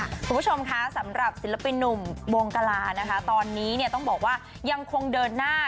คุณผู้ชมคะสำหรับศิลปินหนุ่มวงกลานะคะตอนนี้เนี่ยต้องบอกว่ายังคงเดินหน้า